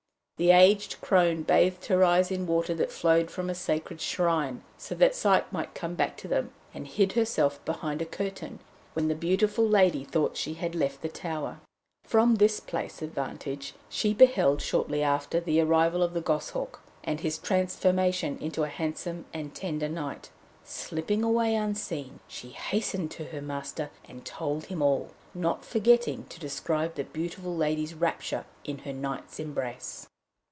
The aged crone bathed her eyes in water that flowed from a sacred shrine, so that sight might come back to them, and hid herself behind a curtain when the beautiful lady thought that she had left the tower. From this place of vantage she beheld, shortly after, the arrival of the goshawk, and his transformation into a handsome and tender knight. Slipping away unseen, she hastened to her master and told him all, not forgetting to describe the beautiful lady's rapture in her knight's embrace.